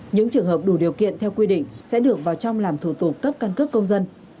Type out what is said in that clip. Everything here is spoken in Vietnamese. những trường hợp đủ điều kiện theo quy định sẽ được vào trong làm thủ tục cấp căn cước công dân